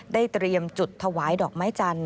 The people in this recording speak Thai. เตรียมจุดถวายดอกไม้จันท